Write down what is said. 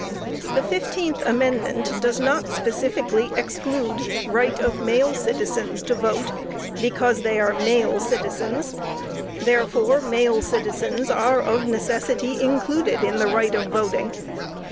The Fifteenth Amendment does not specifically exclude right of male citizens to vote, because they are male citizens, therefore, male citizens are of necessity included in the right of voting.